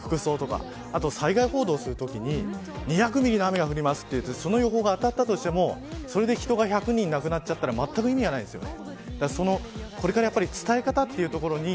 あと災害報道するときに２００ミリの雨が降りますと言ってその予報が当たったとしてもそれで人が１００人亡くなっちゃったらまったく意味はないですよね。